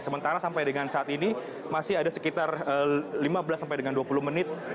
sementara sampai dengan saat ini masih ada sekitar lima belas sampai dengan dua puluh menit